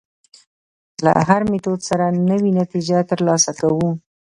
له هر میتود سره نوې نتیجې تر لاسه کوو.